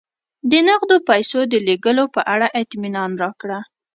د نغدو پیسو د لېږلو په اړه اطمینان راکړه.